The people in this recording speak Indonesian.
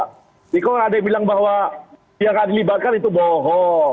jadi kok ada yang bilang bahwa dia gak dilibatkan itu bohong